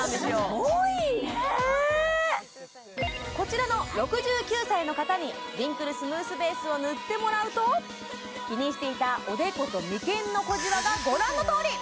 すごいねこちらの６９歳の方にリンクルスムースベースを塗ってもらうと気にしていたおでこと眉間の小じわがご覧のとおり！